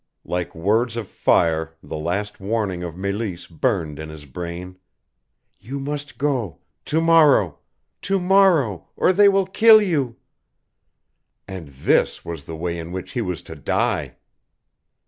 Like words of fire the last warning of Meleese burned in his brain "You must go, to morrow to morrow or they will kill you!" And this was the way in which he was to die!